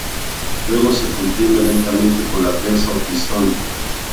Luego se comprime lentamente con la prensa o pistón.